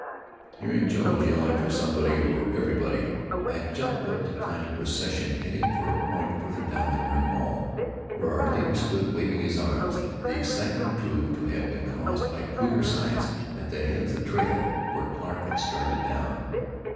Hearing Jones yelling for somebody or everybody, I jumped up to find a procession heading for a point farther down the rim wall, where our leader stood waving his arms. The excitement proved to have been caused by cougar signs at the head of the trail where Clarke had started down.